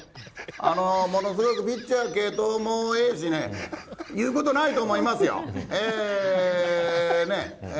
あのー、ものすごく、ピッチャー継投もええしね、言うことないと思いますよ。